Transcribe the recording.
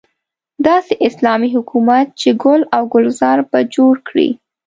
داسې اسلامي حکومت چې ګل او ګلزار به جوړ کړي.